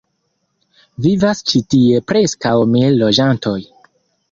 Vivas ĉi tie preskaŭ mil loĝantoj.